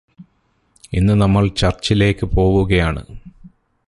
ഇന്ന് നമ്മൾ ചർച്ചിലേക്ക് പോവുകയാണ്